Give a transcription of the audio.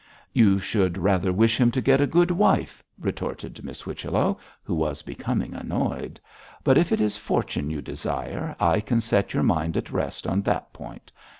'You should rather wish him to get a good wife,' retorted Miss Whichello, who was becoming annoyed. 'But if it is fortune you desire, I can set your mind at rest on that point.